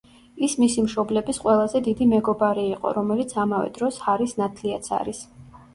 ის მისი მშობლების ყველაზე დიდი მეგობარი იყო, რომელიც ამავე დროს, ჰარის ნათლიაც არის.